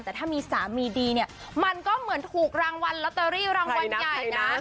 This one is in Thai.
แต่ถ้ามีสามีดีเนี่ยมันก็เหมือนถูกรางวัลลอตเตอรี่รางวัลใหญ่นะ